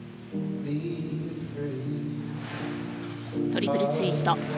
トリプルツイスト。